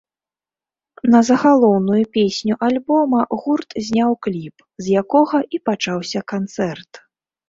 На загалоўную песню альбома гурт зняў кліп, з якога і пачаўся канцэрт.